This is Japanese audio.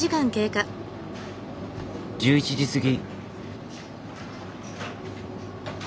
１１時過ぎ。